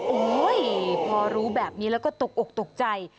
โอ้โหพอรู้แบบนี้แล้วก็ตกอกตกใจ